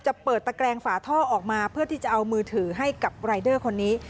เปิดตะแกรงฝาท่อออกมาเพื่อที่จะเอามือถือให้กับรายเดอร์คนนี้